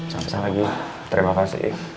sama sama gila terima kasih